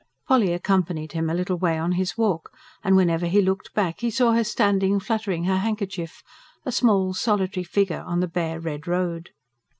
Polly accompanied him a little way on his walk. And whenever he looked back he saw her standing fluttering her handkerchief a small, solitary figure on the bare, red road.